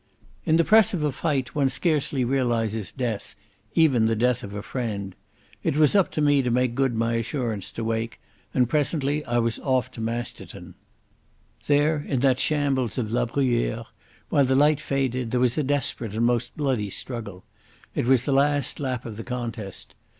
In the press of a fight one scarcely realises death, even the death of a friend. It was up to me to make good my assurance to Wake, and presently I was off to Masterton. There in that shambles of La Bruyere, while the light faded, there was a desperate and most bloody struggle. It was the last lap of the contest.